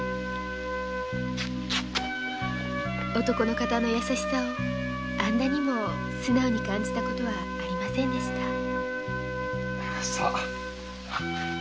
男の方の優しさをあんなにも素直に感じた事はありませんでした。